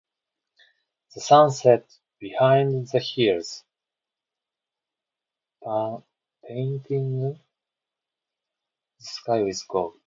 The sun set behind the hills, painting the sky with gold.